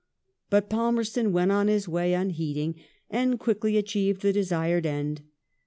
But Palmei ston went on his way unheeding and quickly achieved the desired end.